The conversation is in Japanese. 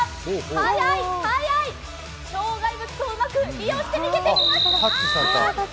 速い、速い、障害物をうまく利用して逃げていきました。